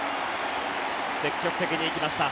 積極的に行きました。